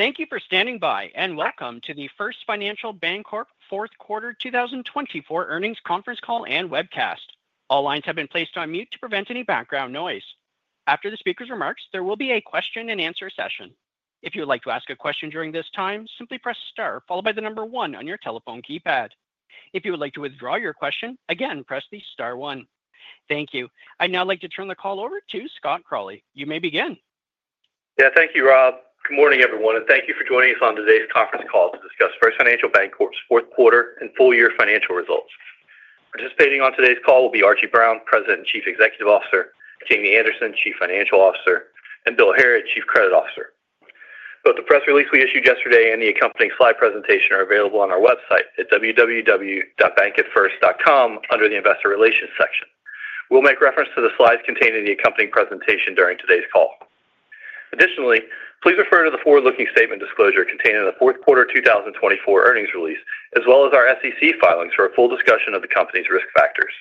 Thank you for standing by, and welcome to the First Financial Bancorp Fourth Quarter 2024 earnings conference call and webcast. All lines have been placed on mute to prevent any background noise. After the speaker's remarks, there will be a question-and-answer session. If you would like to ask a question during this time, simply press Star, followed by the number One on your telephone keypad. If you would like to withdraw your question, again, press the Star One. Thank you. I'd now like to turn the call over to Scott Crawley. You may begin. Yeah, thank you, Rob. Good morning, everyone, and thank you for joining us on today's conference call to discuss First Financial Bancorp's fourth quarter and full-year financial results. Participating on today's call will be Archie Brown, President and Chief Executive Officer, Jamie Anderson, Chief Financial Officer, and Bill Harrod, Chief Credit Officer. Both the press release we issued yesterday and the accompanying slide presentation are available on our website at www.bankatfirst.com under the Investor Relations section. We'll make reference to the slides contained in the accompanying presentation during today's call. Additionally, please refer to the forward-looking statement disclosure contained in the Fourth Quarter 2024 earnings release, as well as our SEC filings for a full discussion of the company's risk factors.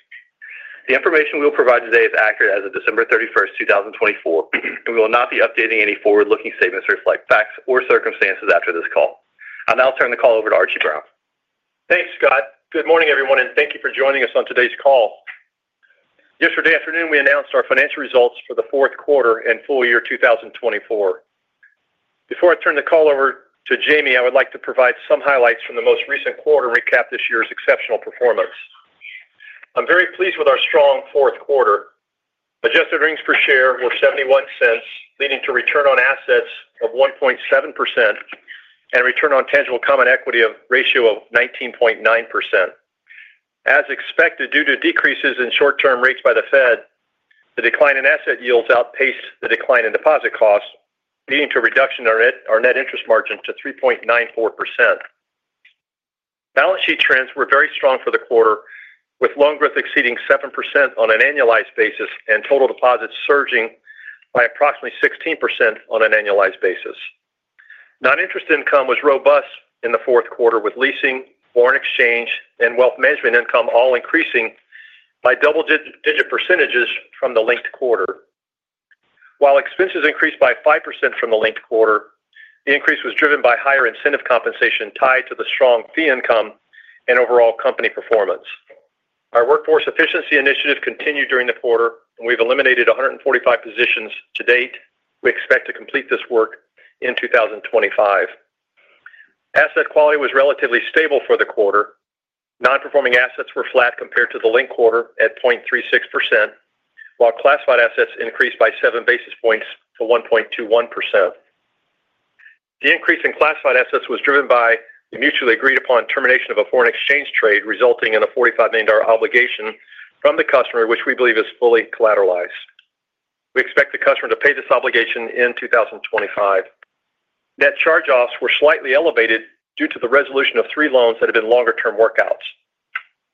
The information we'll provide today is accurate as of December 31, 2024, and we will not be updating any forward-looking statements to reflect facts or circumstances after this call. I'll now turn the call over to Archie Brown. Thanks, Scott. Good morning, everyone, and thank you for joining us on today's call. Yesterday afternoon, we announced our financial results for the fourth quarter and full-year 2024. Before I turn the call over to Jamie, I would like to provide some highlights from the most recent quarter and recap this year's exceptional performance. I'm very pleased with our strong fourth quarter. Adjusted earnings per share were $0.71, leading to a return on assets of 1.7% and a return on tangible common equity of a ratio of 19.9%. As expected, due to decreases in short-term rates by the Fed, the decline in asset yields outpaced the decline in deposit costs, leading to a reduction in our net interest margin to 3.94%. Balance sheet trends were very strong for the quarter, with loan growth exceeding 7% on an annualized basis and total deposits surging by approximately 16% on an annualized basis. Non-interest income was robust in the fourth quarter, with leasing, foreign exchange, and wealth management income all increasing by double-digit percentages from the linked quarter. While expenses increased by 5% from the linked quarter, the increase was driven by higher incentive compensation tied to the strong fee income and overall company performance. Our workforce efficiency initiative continued during the quarter, and we've eliminated 145 positions to date. We expect to complete this work in 2025. Asset quality was relatively stable for the quarter. Non-performing assets were flat compared to the linked quarter at 0.36%, while classified assets increased by seven basis points to 1.21%. The increase in classified assets was driven by the mutually agreed-upon termination of a foreign exchange trade, resulting in a $45 million obligation from the customer, which we believe is fully collateralized. We expect the customer to pay this obligation in 2025. Net charge-offs were slightly elevated due to the resolution of three loans that have been longer-term workouts.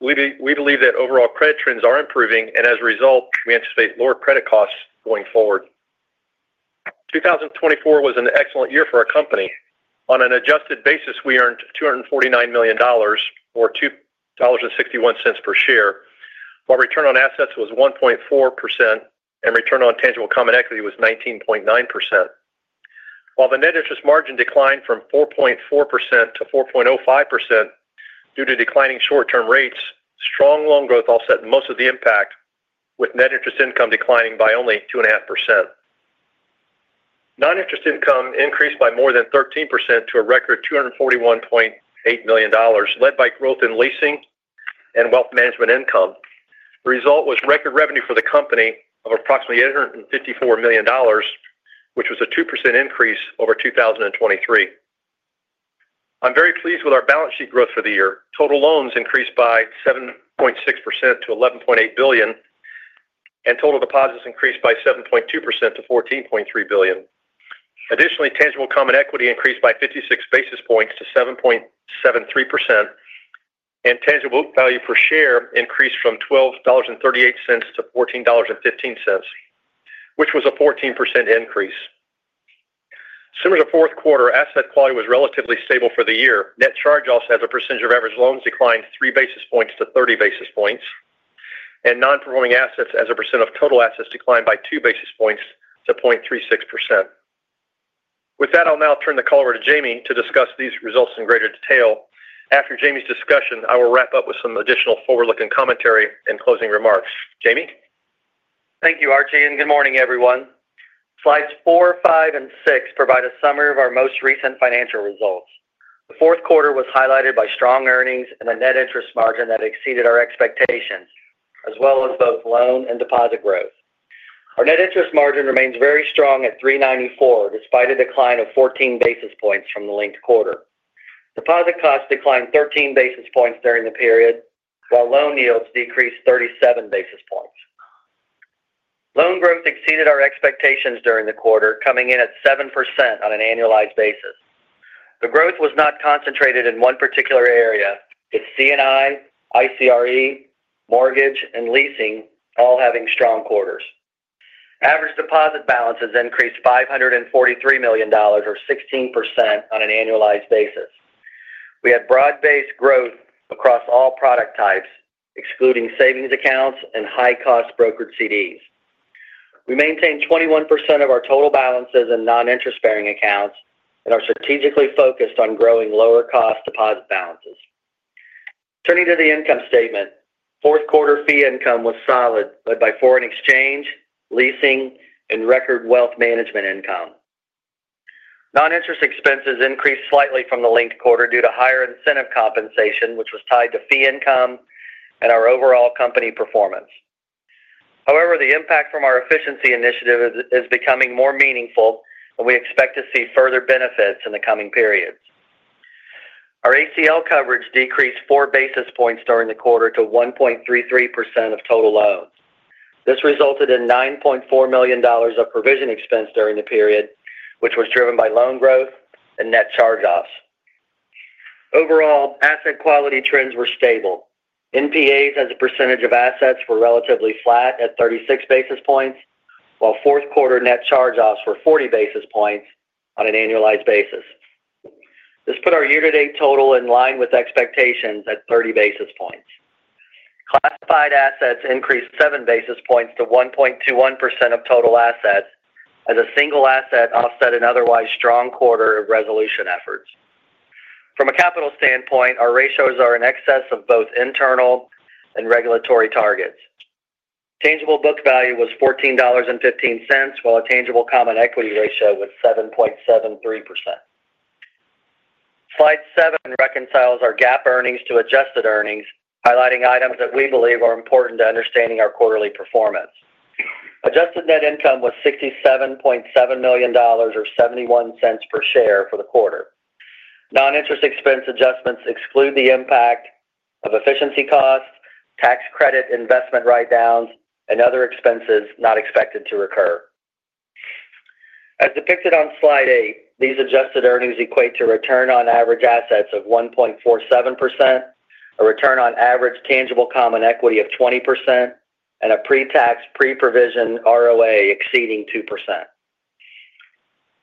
We believe that overall credit trends are improving, and as a result, we anticipate lower credit costs going forward. 2024 was an excellent year for our company. On an adjusted basis, we earned $249 million, or $2.61 per share, while return on assets was 1.4% and return on tangible common equity was 19.9%. While the net interest margin declined from 4.4% to 4.05% due to declining short-term rates, strong loan growth offset most of the impact, with net interest income declining by only 2.5%. Non-interest income increased by more than 13% to a record $241.8 million, led by growth in leasing and wealth management income. The result was record revenue for the company of approximately $854 million, which was a 2% increase over 2023. I'm very pleased with our balance sheet growth for the year. Total loans increased by 7.6% to $11.8 billion, and total deposits increased by 7.2% to $14.3 billion. Additionally, tangible common equity increased by 56 basis points to 7.73%, and tangible book value per share increased from $12.38 to $14.15, which was a 14% increase. Similar to fourth quarter, asset quality was relatively stable for the year. Net charge-offs as a % of average loans declined three basis points to 30 basis points, and non-performing assets as a % of total assets declined by two basis points to 0.36%. With that, I'll now turn the call over to Jamie to discuss these results in greater detail. After Jamie's discussion, I will wrap up with some additional forward-looking commentary and closing remarks. Jamie? Thank you, Archie. And good morning, everyone. Slides four, five, and six provide a summary of our most recent financial results. The fourth quarter was highlighted by strong earnings and a net interest margin that exceeded our expectations, as well as both loan and deposit growth. Our net interest margin remains very strong at 3.94, despite a decline of 14 basis points from the linked quarter. Deposit costs declined 13 basis points during the period, while loan yields decreased 37 basis points. Loan growth exceeded our expectations during the quarter, coming in at 7% on an annualized basis. The growth was not concentrated in one particular area, with C&I, ICRE, mortgage, and leasing all having strong quarters. Average deposit balances increased $543 million, or 16% on an annualized basis. We had broad-based growth across all product types, excluding savings accounts and high-cost brokered CDs. We maintained 21% of our total balances in non-interest-bearing accounts and are strategically focused on growing lower-cost deposit balances. Turning to the income statement, fourth quarter fee income was solid, led by foreign exchange, leasing, and record wealth management income. Non-interest expenses increased slightly from the linked quarter due to higher incentive compensation, which was tied to fee income and our overall company performance. However, the impact from our efficiency initiative is becoming more meaningful, and we expect to see further benefits in the coming periods. Our ACL coverage decreased four basis points during the quarter to 1.33% of total loans. This resulted in $9.4 million of provision expense during the period, which was driven by loan growth and net charge-offs. Overall, asset quality trends were stable. NPAs as a percentage of assets were relatively flat at 36 basis points, while fourth quarter net charge-offs were 40 basis points on an annualized basis. This put our year-to-date total in line with expectations at 30 basis points. Classified assets increased seven basis points to 1.21% of total assets, as a single asset offset an otherwise strong quarter of resolution efforts. From a capital standpoint, our ratios are in excess of both internal and regulatory targets. Tangible book value was $14.15, while a tangible common equity ratio was 7.73%. Slide seven reconciles our GAAP earnings to adjusted earnings, highlighting items that we believe are important to understanding our quarterly performance. Adjusted net income was $67.7 million, or $0.71 per share for the quarter. Non-interest expense adjustments exclude the impact of efficiency costs, tax credit investment write-downs, and other expenses not expected to recur. As depicted on slide eight, these adjusted earnings equate to a return on average assets of 1.47%, a return on average tangible common equity of 20%, and a pre-tax, pre-provision ROA exceeding 2%.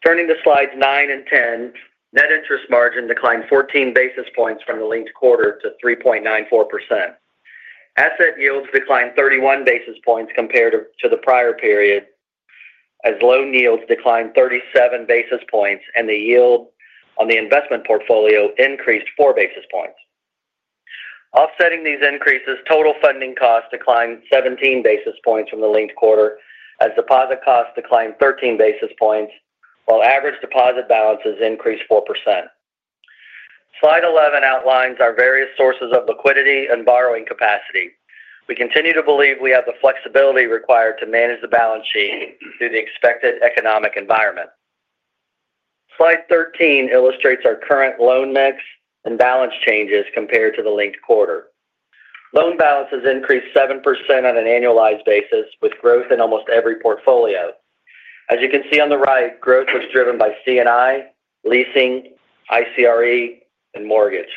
Turning to slides nine and ten, net interest margin declined 14 basis points from the linked quarter to 3.94%. Asset yields declined 31 basis points compared to the prior period, as loan yields declined 37 basis points, and the yield on the investment portfolio increased four basis points. Offsetting these increases, total funding costs declined 17 basis points from the linked quarter, as deposit costs declined 13 basis points, while average deposit balances increased four%. Slide 11 outlines our various sources of liquidity and borrowing capacity. We continue to believe we have the flexibility required to manage the balance sheet through the expected economic environment. Slide 13 illustrates our current loan mix and balance changes compared to the linked quarter. Loan balances increased 7% on an annualized basis, with growth in almost every portfolio. As you can see on the right, growth was driven by C&I, leasing, ICRE, and mortgage.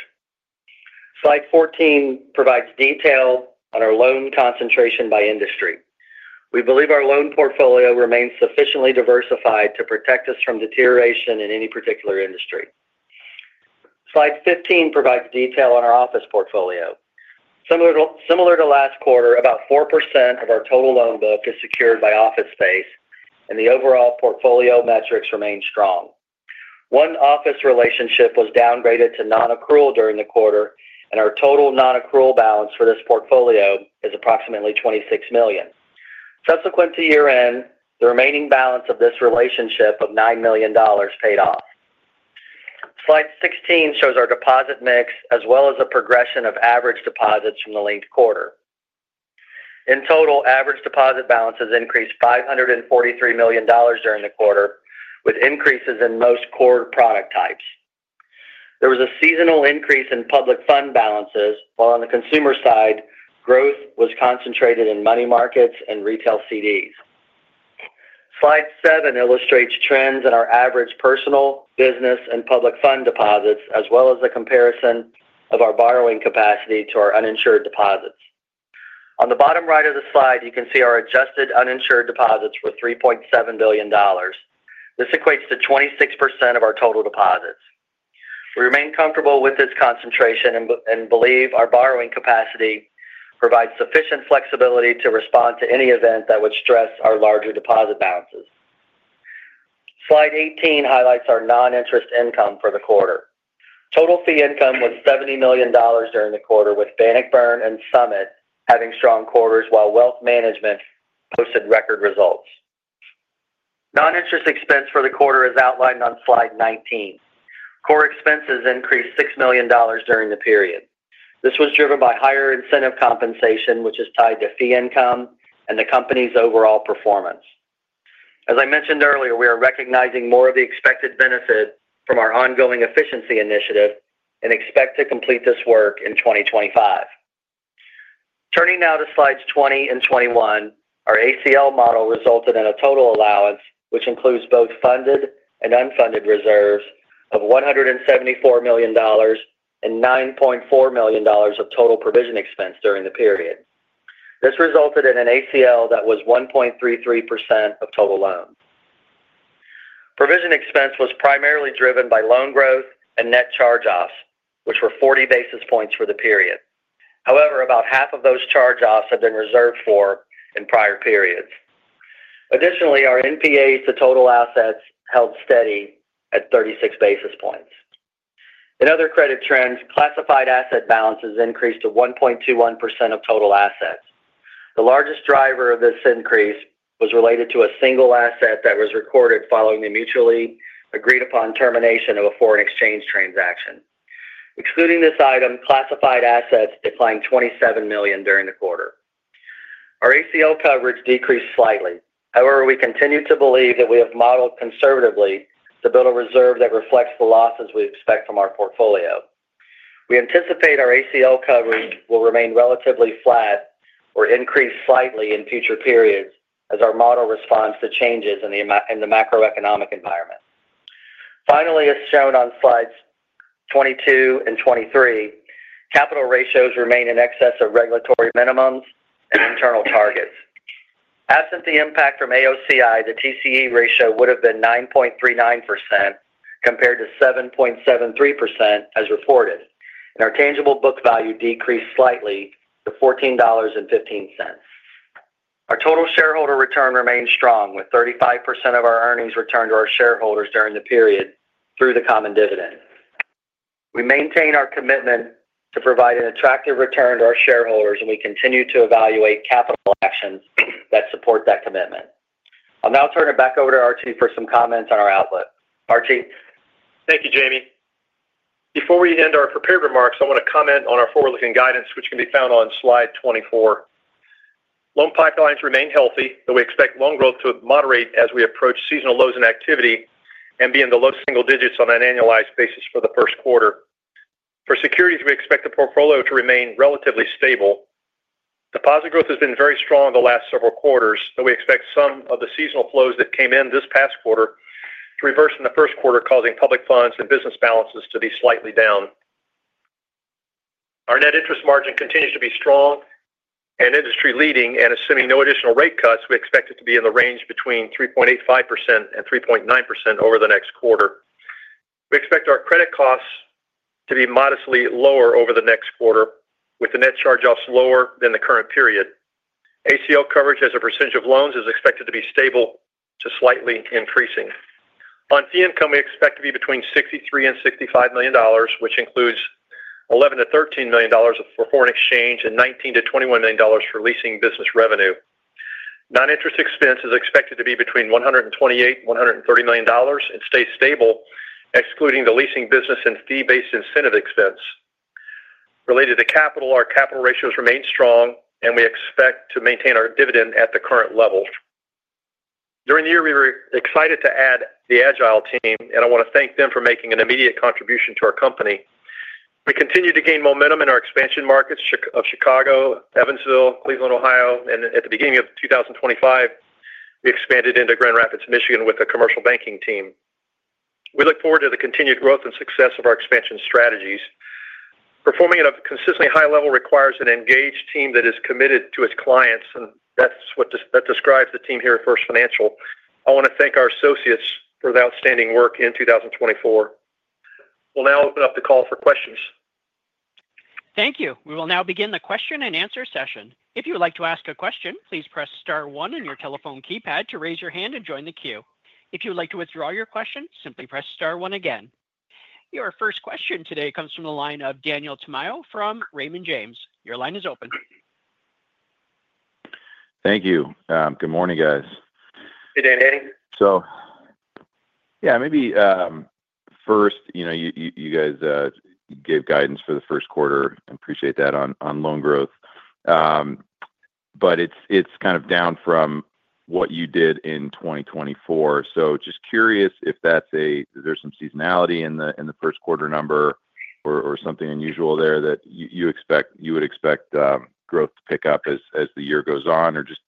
Slide 14 provides detail on our loan concentration by industry. We believe our loan portfolio remains sufficiently diversified to protect us from deterioration in any particular industry. Slide 15 provides detail on our office portfolio. Similar to last quarter, about 4% of our total loan book is secured by office space, and the overall portfolio metrics remain strong. One office relationship was downgraded to non-accrual during the quarter, and our total non-accrual balance for this portfolio is approximately $26 million. Subsequent to year-end, the remaining balance of this relationship of $9 million paid off. Slide 16 shows our deposit mix, as well as a progression of average deposits from the linked quarter. In total, average deposit balances increased $543 million during the quarter, with increases in most core product types. There was a seasonal increase in public fund balances, while on the consumer side, growth was concentrated in money markets and retail CDs. Slide seven illustrates trends in our average personal, business, and public fund deposits, as well as a comparison of our borrowing capacity to our uninsured deposits. On the bottom right of the slide, you can see our adjusted uninsured deposits were $3.7 billion. This equates to 26% of our total deposits. We remain comfortable with this concentration and believe our borrowing capacity provides sufficient flexibility to respond to any event that would stress our larger deposit balances. Slide 18 highlights our non-interest income for the quarter. Total fee income was $70 million during the quarter, with Bannockburn and Summit having strong quarters, while wealth management posted record results. Non-interest expense for the quarter is outlined on slide 19. Core expenses increased $6 million during the period. This was driven by higher incentive compensation, which is tied to fee income and the company's overall performance. As I mentioned earlier, we are recognizing more of the expected benefit from our ongoing efficiency initiative and expect to complete this work in 2025. Turning now to slides 20 and 21, our ACL model resulted in a total allowance, which includes both funded and unfunded reserves of $174 million and $9.4 million of total provision expense during the period. This resulted in an ACL that was 1.33% of total loans. Provision expense was primarily driven by loan growth and net charge-offs, which were 40 basis points for the period. However, about half of those charge-offs had been reserved for in prior periods. Additionally, our NPAs to total assets held steady at 36 basis points. In other credit trends, classified asset balances increased to 1.21% of total assets. The largest driver of this increase was related to a single asset that was recorded following the mutually agreed-upon termination of a foreign exchange transaction. Excluding this item, classified assets declined $27 million during the quarter. Our ACL coverage decreased slightly. However, we continue to believe that we have modeled conservatively to build a reserve that reflects the losses we expect from our portfolio. We anticipate our ACL coverage will remain relatively flat or increase slightly in future periods as our model responds to changes in the macroeconomic environment. Finally, as shown on slides 22 and 23, capital ratios remain in excess of regulatory minimums and internal targets. Absent the impact from AOCI, the TCE ratio would have been 9.39% compared to 7.73% as reported, and our tangible book value decreased slightly to $14.15. Our total shareholder return remained strong, with 35% of our earnings returned to our shareholders during the period through the common dividend. We maintain our commitment to provide an attractive return to our shareholders, and we continue to evaluate capital actions that support that commitment. I'll now turn it back over to Archie for some comments on our outlook. Archie? Thank you, Jamie. Before we end our prepared remarks, I want to comment on our forward-looking guidance, which can be found on slide 24. Loan pipelines remain healthy, though we expect loan growth to moderate as we approach seasonal lows in activity and be in the low single digits on an annualized basis for the first quarter. For securities, we expect the portfolio to remain relatively stable. Deposit growth has been very strong the last several quarters, though we expect some of the seasonal flows that came in this past quarter to reverse in the first quarter, causing public funds and business balances to be slightly down. Our net interest margin continues to be strong and industry-leading, and assuming no additional rate cuts, we expect it to be in the range between 3.85% and 3.9% over the next quarter. We expect our credit costs to be modestly lower over the next quarter, with the net charge-offs lower than the current period. ACL coverage as a percentage of loans is expected to be stable to slightly increasing. On fee income, we expect to be between $63 and $65 million, which includes $11-$13 million for foreign exchange and $19-$21 million for leasing business revenue. Non-interest expense is expected to be between $128 and $130 million and stay stable, excluding the leasing business and fee-based incentive expense. Related to capital, our capital ratios remain strong, and we expect to maintain our dividend at the current levels. During the year, we were excited to add the Agile team, and I want to thank them for making an immediate contribution to our company. We continue to gain momentum in our expansion markets of Chicago, Evansville, Cleveland, Ohio, and at the beginning of 2025, we expanded into Grand Rapids, Michigan, with a commercial banking team. We look forward to the continued growth and success of our expansion strategies. Performing at a consistently high level requires an engaged team that is committed to its clients, and that describes the team here at First Financial. I want to thank our associates for the outstanding work in 2024. We'll now open up the call for questions. Thank you. We will now begin the question and answer session. If you would like to ask a question, please press star one on your telephone keypad to raise your hand and join the queue. If you would like to withdraw your question, simply press star one again. Your first question today comes from the line of Daniel Tamayo from Raymond James. Your line is open. Thank you. Good morning, guys. Hey, Daniel. So, yeah, maybe first, you guys gave guidance for the first quarter. I appreciate that on loan growth. But it's kind of down from what you did in 2024. So just curious if there's some seasonality in the first quarter number or something unusual there that you would expect growth to pick up as the year goes on, or just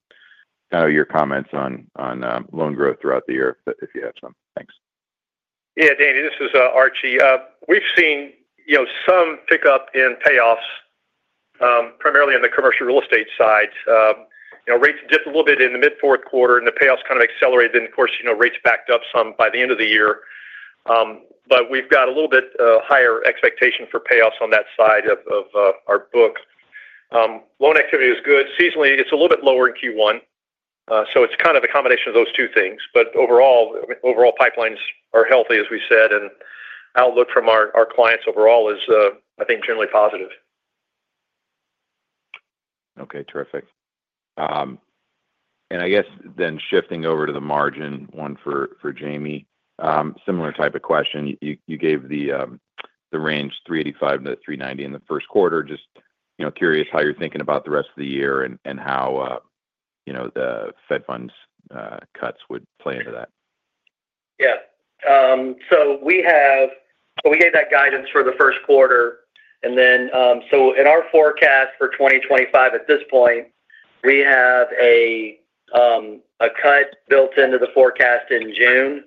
kind of your comments on loan growth throughout the year, if you have some. Thanks. Yeah, Daniel, this is Archie. We've seen some pickup in payoffs, primarily on the commercial real estate side. Rates dipped a little bit in the mid-fourth quarter, and the payoffs kind of accelerated. Then, of course, rates backed up some by the end of the year. But we've got a little bit higher expectation for payoffs on that side of our book. Loan activity is good. Seasonally, it's a little bit lower in Q1. So it's kind of a combination of those two things. But overall, pipelines are healthy, as we said, and outlook from our clients overall is, I think, generally positive. Okay, terrific. And I guess then shifting over to the margin one for Jamie, similar type of question. You gave the range 385-390 in the first quarter. Just curious how you're thinking about the rest of the year and how the Fed funds cuts would play into that? Yeah. So we gave that guidance for the first quarter. And then so in our forecast for 2025 at this point, we have a cut built into the forecast in June,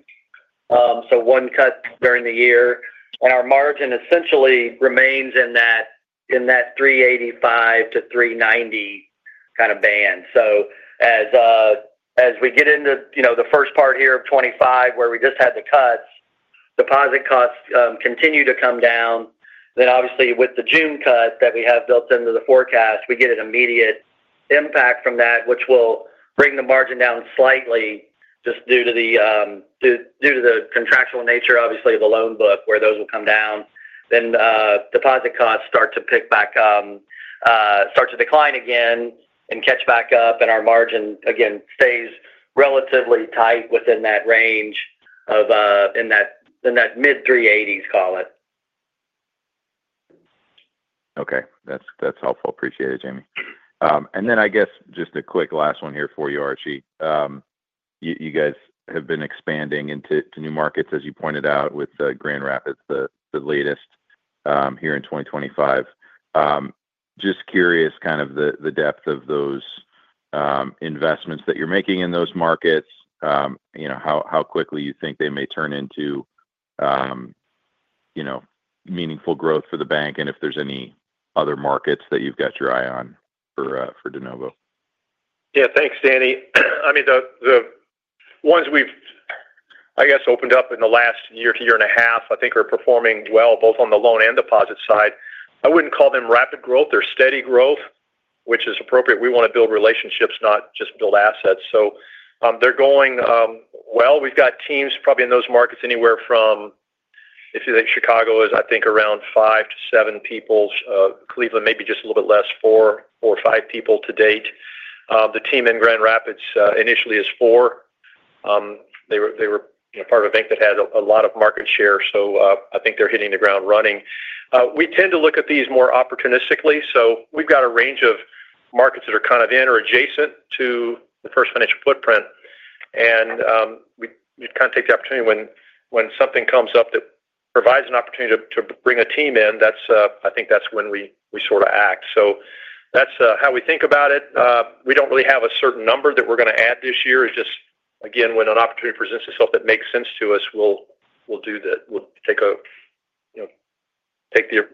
so one cut during the year. And our margin essentially remains in that 385-390 kind of band. So as we get into the first part here of 2025, where we just had the cuts, deposit costs continue to come down. Then, obviously, with the June cut that we have built into the forecast, we get an immediate impact from that, which will bring the margin down slightly just due to the contractual nature, obviously, of the loan book, where those will come down. Then deposit costs start to pick back, start to decline again and catch back up, and our margin, again, stays relatively tight within that range in that mid-380s, call it. Okay. That's helpful. Appreciate it, Jamie. And then I guess just a quick last one here for you, Archie. You guys have been expanding into new markets, as you pointed out, with Grand Rapids, the latest here in 2025. Just curious kind of the depth of those investments that you're making in those markets, how quickly you think they may turn into meaningful growth for the bank, and if there's any other markets that you've got your eye on for de novo? Yeah, thanks, Danny. I mean, the ones we've, I guess, opened up in the last year to year and a half, I think, are performing well, both on the loan and deposit side. I wouldn't call them rapid growth. They're steady growth, which is appropriate. We want to build relationships, not just build assets. So they're going well. We've got teams probably in those markets anywhere from, if you think Chicago is, I think, around five to seven people. Cleveland, maybe just a little bit less, four or five people to date. The team in Grand Rapids initially is four. They were part of a bank that had a lot of market share, so I think they're hitting the ground running. We tend to look at these more opportunistically. So we've got a range of markets that are kind of in or adjacent to the First Financial footprint. And we kind of take the opportunity when something comes up that provides an opportunity to bring a team in, I think that's when we sort of act. So that's how we think about it. We don't really have a certain number that we're going to add this year. It's just, again, when an opportunity presents itself that makes sense to us, we'll take the opportunity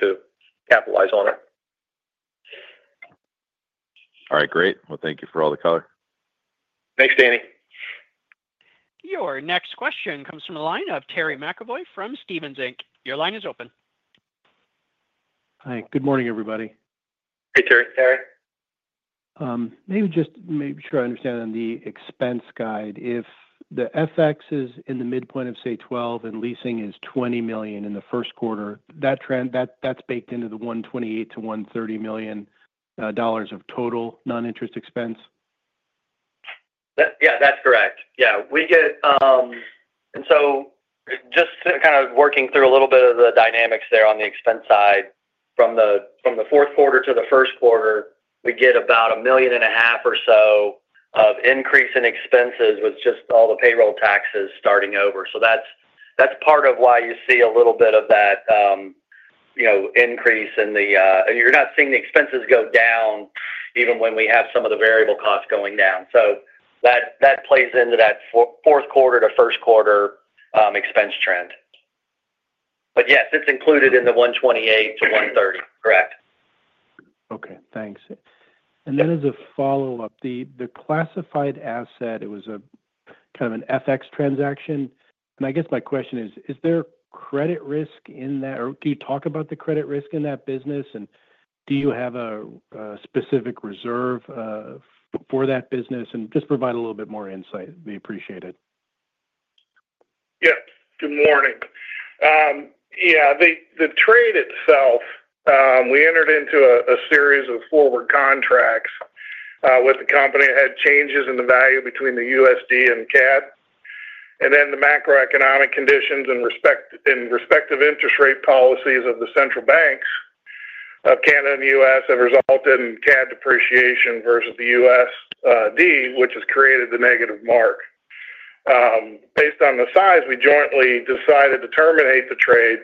to capitalize on it. All right. Great. Well, thank you for all the color. Thanks, Danny. Your next question comes from the line of Terry McEvoy from Stephens Inc. Your line is open. Hi. Good morning, everybody. Hey, Terry. Terry. Maybe just to make sure I understand on the expense guide, if the FX is in the midpoint of, say, 12 and leasing is $20 million in the first quarter, that's baked into the $128-$130 million of total non-interest expense? Yeah, that's correct. Yeah. And so just kind of working through a little bit of the dynamics there on the expense side, from the fourth quarter to the first quarter, we get about $1.5 million or so of increase in expenses with just all the payroll taxes starting over. So that's part of why you see a little bit of that increase in the, and you're not seeing the expenses go down even when we have some of the variable costs going down. So that plays into that fourth quarter to first quarter expense trend. But yes, it's included in the $128-$130. Correct. Okay. Thanks. And then as a follow-up, the classified asset, it was kind of an FX transaction. And I guess my question is, is there credit risk in that, or do you talk about the credit risk in that business? And do you have a specific reserve for that business? And just provide a little bit more insight. We appreciate it. Yeah. Good morning. Yeah. The trade itself, we entered into a series of forward contracts with the company. It had changes in the value between the USD and CAD. And then the macroeconomic conditions and respective interest rate policies of the central banks of Canada and the U.S. have resulted in CAD depreciation versus the USD, which has created the negative mark. Based on the size, we jointly decided to terminate the trade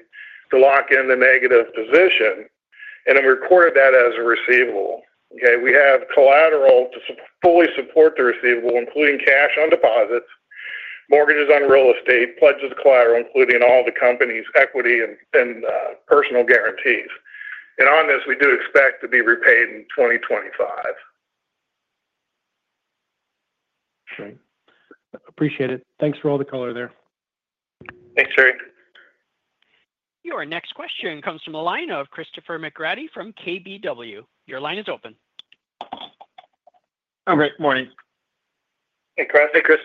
to lock in the negative position. And then we recorded that as a receivable. Okay. We have collateral to fully support the receivable, including cash on deposits, mortgages on real estate, pledges of collateral, including all the company's equity and personal guarantees. And on this, we do expect to be repaid in 2025. Okay. Appreciate it. Thanks for all the color there. Thanks, Terry. Your next question comes from the line of Christopher McGratty from KBW. Your line is open. I'm ready. Good morning. Hey, Chris. Hey, Chris.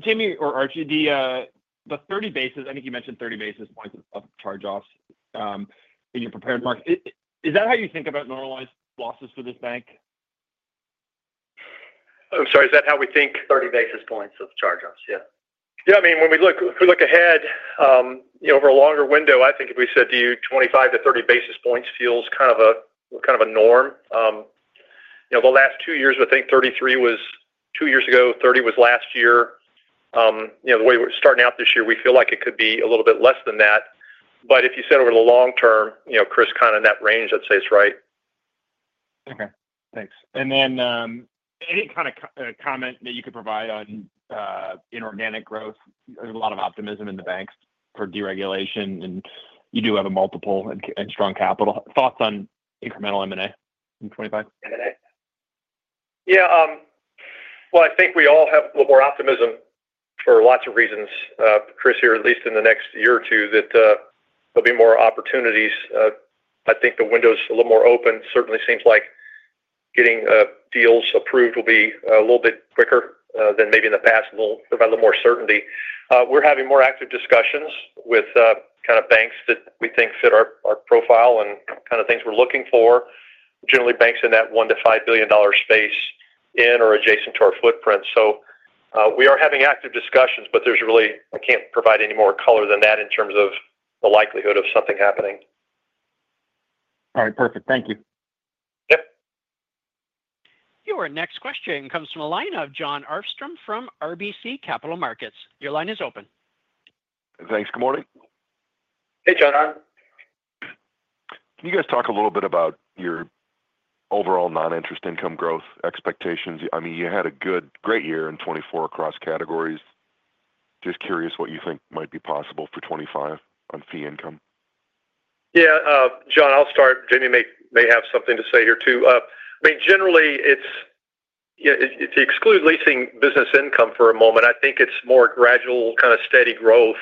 Jamie or Archie, the 30 basis points. I think you mentioned 30 basis points of charge-offs in your prepared remarks. Is that how you think about normalized losses for this bank? I'm sorry. Is that how we think? 30 basis points of charge-offs. Yeah. Yeah. I mean, when we look ahead over a longer window, I think if we said to you 25 to 30 basis points feels kind of a norm. The last two years, I think 33 was two years ago, 30 was last year. The way we're starting out this year, we feel like it could be a little bit less than that. But if you said over the long term, Chris, kind of in that range, I'd say it's right. Okay. Thanks. And then any kind of comment that you could provide on inorganic growth? There's a lot of optimism in the banks for deregulation, and you do have a multiple and strong capital. Thoughts on incremental M&A in 2025? Yeah. Well, I think we all have a little more optimism for lots of reasons, Chris, here, at least in the next year or two, that there'll be more opportunities. I think the window's a little more open. Certainly seems like getting deals approved will be a little bit quicker than maybe in the past. It'll provide a little more certainty. We're having more active discussions with kind of banks that we think fit our profile and kind of things we're looking for, generally banks in that $1-$5 billion space in or adjacent to our footprint. So we are having active discussions, but there's really. I can't provide any more color than that in terms of the likelihood of something happening. All right. Perfect. Thank you. Yep. Your next question comes from the line of Jon Arfstrom from RBC Capital Markets. Your line is open. Thanks. Good morning. Hey, Jon. Can you guys talk a little bit about your overall non-interest income growth expectations? I mean, you had a great year in 2024 across categories. Just curious what you think might be possible for 2025 on fee income. Yeah. Jon, I'll start. Jamie may have something to say here too. I mean, generally, if you exclude leasing business income for a moment, I think it's more gradual kind of steady growth,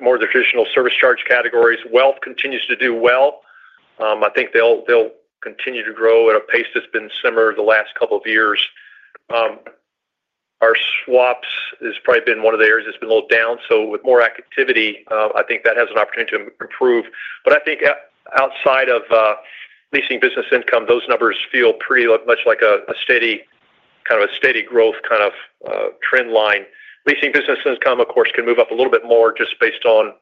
more traditional service charge categories. Wealth continues to do well. I think they'll continue to grow at a pace that's been similar the last couple of years. Our swaps has probably been one of the areas that's been a little down. So with more activity, I think that has an opportunity to improve. But I think outside of leasing business income, those numbers feel pretty much like a steady kind of a steady growth kind of trend line. Leasing business income, of course, can move up a little bit more just based on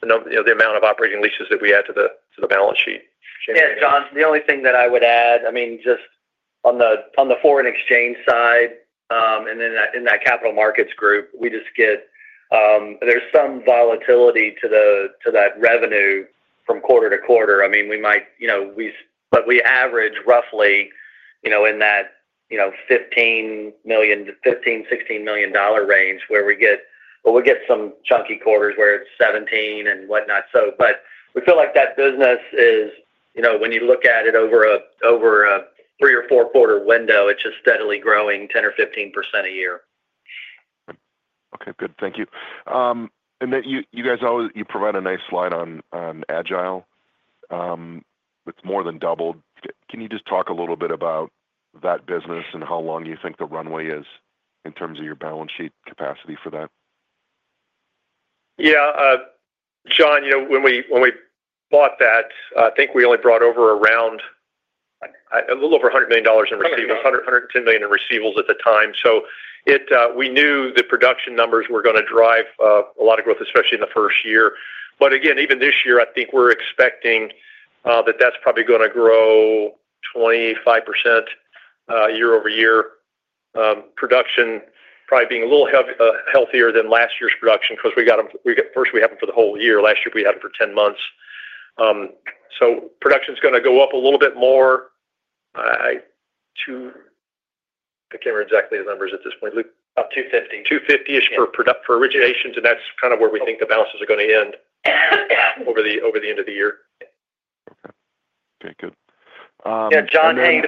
the amount of operating leases that we add to the balance sheet. Yeah. Jon, the only thing that I would add, I mean, just on the foreign exchange side and then in that capital markets group, we just get. There's some volatility to that revenue from quarter to quarter. I mean, we might, but we average roughly in that $15 million-$16 million range where we get, well, we get some chunky quarters where it's $17 and whatnot. But we feel like that business is, when you look at it over a three or four-quarter window, it's just steadily growing 10% or 15% a year. Okay. Good. Thank you. Then you guys always provide a nice slide on Agile. It's more than doubled. Can you just talk a little bit about that business and how long you think the runway is in terms of your balance sheet capacity for that? Yeah. John, when we bought that, I think we only brought over around a little over $100 million in receivables, $110 million in receivables at the time. So we knew the production numbers were going to drive a lot of growth, especially in the first year. But again, even this year, I think we're expecting that that's probably going to grow 25% year over year, production probably being a little healthier than last year's production because we got them, first, we had them for the whole year. Last year, we had them for 10 months. So production's going to go up a little bit more. I can't remember exactly the numbers at this point. About $250. $250-ish for originations, and that's kind of where we think the balances are going to end over the end of the year. Okay. Okay. Good. Yeah. John, hey.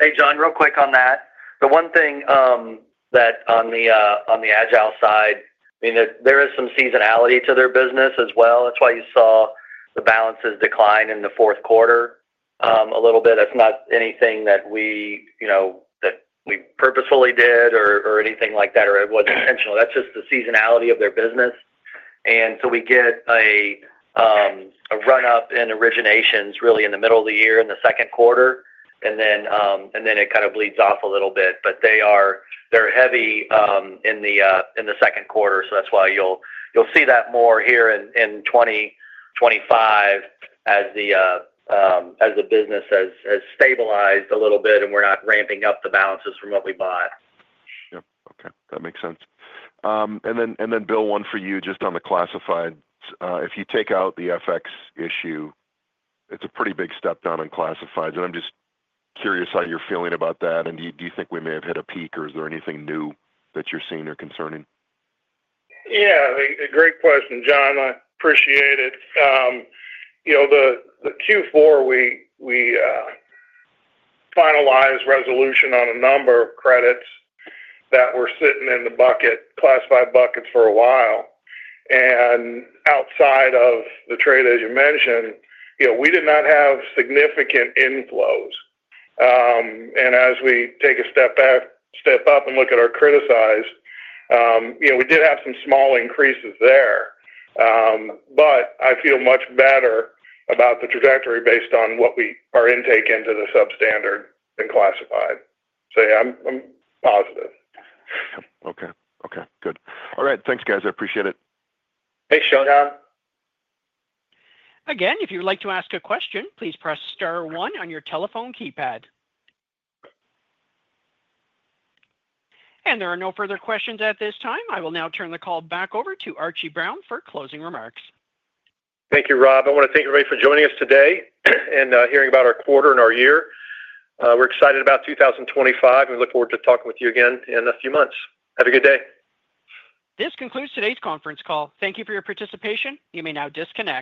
Hey, John, real quick on that. The one thing that on the Agile side, I mean, there is some seasonality to their business as well. That's why you saw the balances decline in the fourth quarter a little bit. That's not anything that we purposefully did or anything like that, or it wasn't intentional. That's just the seasonality of their business, and so we get a run-up in originations really in the middle of the year in the second quarter, and then it kind of bleeds off a little bit, but they're heavy in the second quarter, so that's why you'll see that more here in 2025 as the business has stabilized a little bit and we're not ramping up the balances from what we bought. Yep. Okay. That makes sense. And then Bill, one for you just on the classifieds. If you take out the FX issue, it's a pretty big step down in classifieds. And I'm just curious how you're feeling about that. And do you think we may have hit a peak, or is there anything new that you're seeing or concerning? Yeah. Great question, Jon. I appreciate it. The Q4, we finalized resolution on a number of credits that were sitting in the bucket, classified buckets for a while. And outside of the trade, as you mentioned, we did not have significant inflows. And as we take a step up and look at our criticized, we did have some small increases there. But I feel much better about the trajectory based on our intake into the substandard and classified. So yeah, I'm positive. Okay. Okay. Good. All right. Thanks, guys. I appreciate it. Thanks, Jon. Again, if you'd like to ask a question, please press star one on your telephone keypad. And there are no further questions at this time. I will now turn the call back over to Archie Brown for closing remarks. Thank you, Rob. I want to thank everybody for joining us today and hearing about our quarter and our year. We're excited about 2025, and we look forward to talking with you again in a few months. Have a good day. This concludes today's conference call. Thank you for your participation. You may now disconnect.